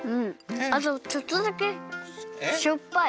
あとちょっとだけしょっぱい！